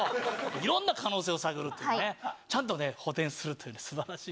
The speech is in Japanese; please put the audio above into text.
いろんな可能性を探るっていうね、ちゃんとね、補填するってすばらしい。